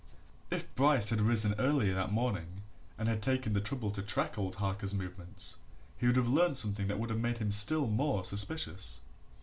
If Bryce had risen earlier next morning, and had taken the trouble to track old Harker's movements, he would have learnt something that would have made him still more suspicious.